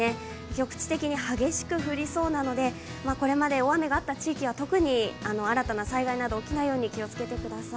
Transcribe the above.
局地的に激しく降りそうなのでこれまで大雨があった地域は特に新たな災害など起きないように気をつけてください。